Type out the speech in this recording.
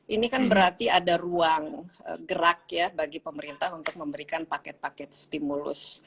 ini kan berarti ada ruang gerak ya bagi pemerintah untuk memberikan paket paket stimulus